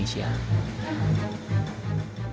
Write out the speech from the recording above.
tim liputan cnn indonesia